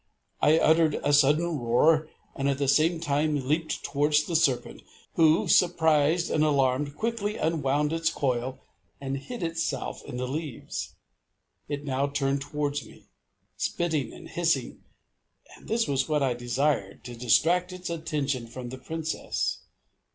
I uttered a sudden roar, and at the same time leaped towards the serpent, who, surprised and alarmed, quickly unwound its coils, and hid itself in the leaves. It now turned towards me spitting and hissing and this was what I desired, to distract its attention from the Princess.